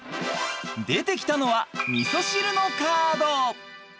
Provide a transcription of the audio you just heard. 出てきたのはみそ汁のカード。